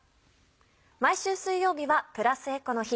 毎週水曜日はプラスエコの日。